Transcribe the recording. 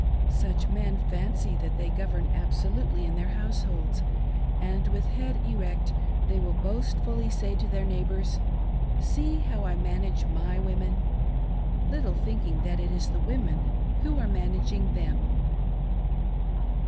Such men fancy that they govern absolutely in thek households, and with head erect they will boastfully say to their neighbors, " Seg how I manage my women "— little thinking that it is the women who are " managing " them.